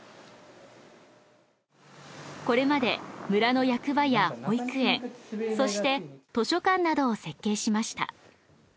これまで村の役場や保育園そして図書館などを設計しました。